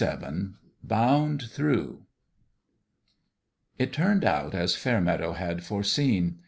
XXVII BOUND THROUGH IT turned out as Fairmeadow had foreseen.